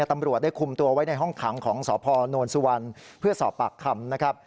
ตำรวจได้คุมตัวไว้ในห้องถังของสพนสุวรรณพศปรักษ์คำ